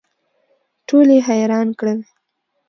ټول یې حیران کړل.